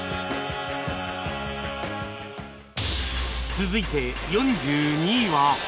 続いて４２位は